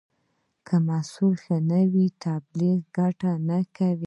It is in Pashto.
که محصول ښه نه وي، تبلیغ ګټه نه کوي.